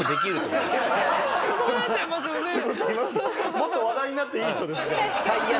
もっと話題になっていい人ですじゃあ。